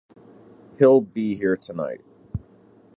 He'll be here tonight.